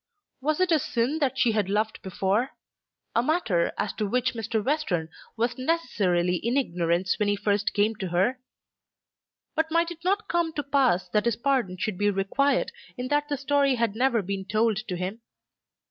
Was it a sin that she had loved before, a matter as to which Mr. Western was necessarily in ignorance when he first came to her? But might it not come to pass that his pardon should be required in that the story had never been told to him?